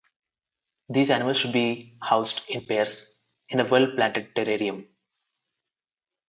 These animals should be housed in pairs in a well planted terrarium.